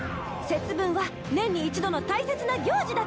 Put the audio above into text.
節分は年に一度の大切な行事だっちゃ。